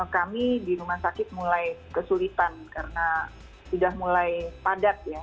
kami di rumah sakit mulai kesulitan karena sudah mulai padat ya